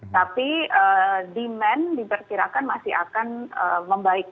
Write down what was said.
tapi demand diperkirakan masih akan membaik